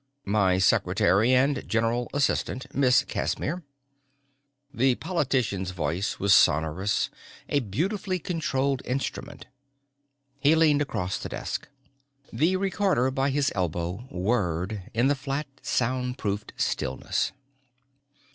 "My secretary and general assistant, Miss Casimir." The politician's voice was sonorous, a beautifully controlled instrument. He leaned across the desk. The recorder by his elbow whirred in the flat soundproofed stillness.